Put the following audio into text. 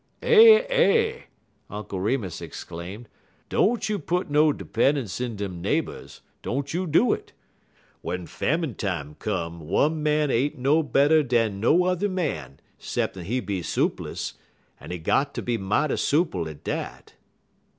"Eh eh!" Uncle Remus exclaimed, "don't you put no 'pennunce in dem neighbors don't you do it. W'en famine time come one man ain't no better dan no yuther man 'ceppin' he be soopless; en he got ter be mighty soople at dat."